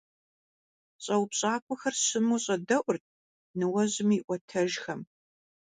ЩӀэупщӀакӀуэхэр щыму щӀэдэӀурт ныуэжьым и Ӏуэтэжхэм.